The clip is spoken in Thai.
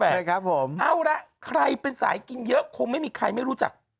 ใช่ครับผมเอาละใครเป็นสายกินเยอะคงไม่มีใครไม่รู้จัก